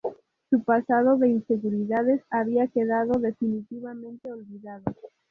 Su pasado de inseguridades había quedado definitivamente olvidado.